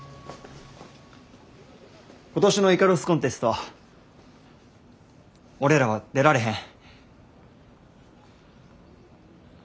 今年のイカロスコンテスト俺らは出られへん。